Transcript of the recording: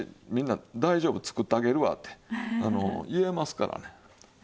「みんな大丈夫作ってあげるわ」って言えますからね。